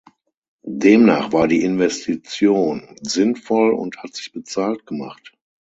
Demnach war die Investition sinnvoll und hat sich bezahlt gemacht.